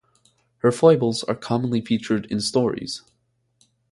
Her foibles are commonly featured in stories.